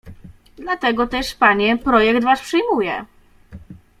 "Dlatego też, panie, projekt wasz przyjmuję."